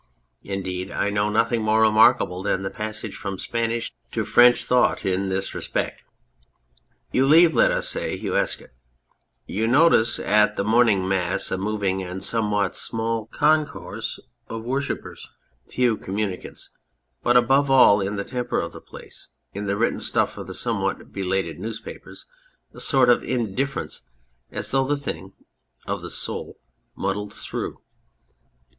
Indeed, I know of nothing more remarkable than the passage from Spanish to French thought in this respect. You leave, let us say, Huesca ; you notice at the morn ing Mass a moving and somewhat small concourse of worshippers, few communicants, but above all in the temper of the place, in the written stuff of the somewhat belated newspapers, a sort of indifference ; as though the things of the soul " muddled through."